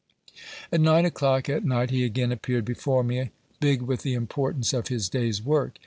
At nine o'clock at night he again appeared before me, big with the importance of his day's work.